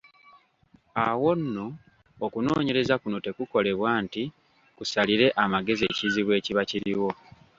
Awo nno, okunoonyereza kuno tekukolebwa nti kusalire amagezi ekizibu ekiba kiriwo.